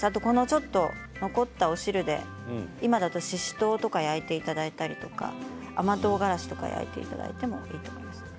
ちょっと残ったお汁で今だとししとうとか焼いていただいたりとか甘とうがらしとか焼いていただいたりでもいいと思います。